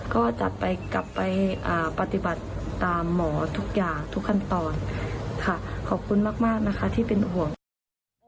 ขอบคุณมากนะคะที่เป็นโอ้โห